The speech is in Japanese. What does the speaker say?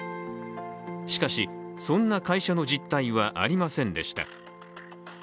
しかし、そんな会社の実体はありませんでした。